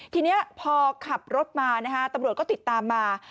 ก็ขับรถมาตำรวจก็ติดตามมา